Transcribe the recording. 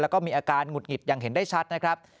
แล้วก็มีอาการหงุดหงิดอย่างเห็นได้ชัดนะครับ